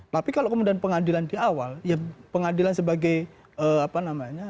tapi kalau kemudian pengadilan di awal ya pengadilan sebagai apa namanya